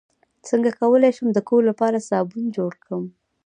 څنګه کولی شم د کور لپاره صابن جوړ کړم